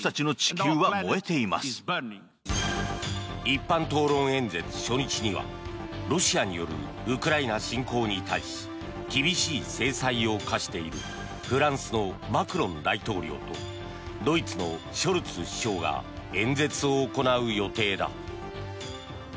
一般討論演説初日にはロシアによるウクライナ侵攻に対し厳しい制裁を科しているフランスのマクロン大統領とドイツのショルツ首相が演説を行う予定だ。